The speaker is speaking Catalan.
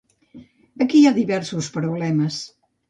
Aquí hi ha diversos problemes.